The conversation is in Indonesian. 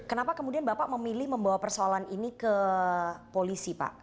kenapa kemudian bapak memilih membawa persoalan ini ke polisi pak